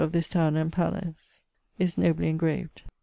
of this towne and palais is nobly engraved).